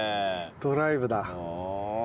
ドライブだ。